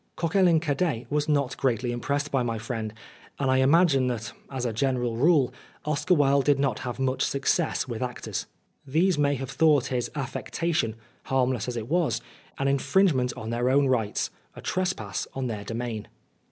Coquelin cadet was not greatly impressed by my friend, and I imagine that, as a general rule, Oscar Wilde did not have much success with actors. These may have thought his affectation, harmless as it was, an infringement on their own rights a trespass on their domain.